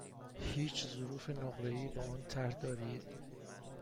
هیچ ظروف نقره ای با آن طرح دارید؟